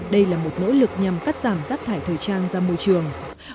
đây là một nỗ lực nhằm cắt giảm rác thải thời trang ra môi trường